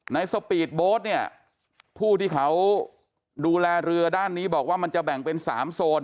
สปีดโบ๊ทเนี่ยผู้ที่เขาดูแลเรือด้านนี้บอกว่ามันจะแบ่งเป็น๓โซน